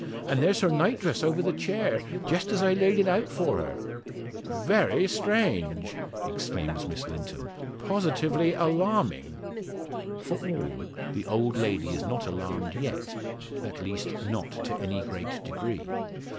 And there's her nightdress over the chair, just as I laid it out for her." "Very strange," exclaims Miss Linton, "positively alarming." For all, the old lady is not alarmed yet at least, not to any great degree.